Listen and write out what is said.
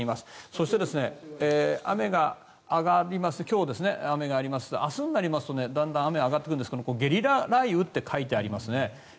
そして今日、雨が上がります明日になるとだんだん雨は上がってくるんですがゲリラ雷雨と書いてありますね。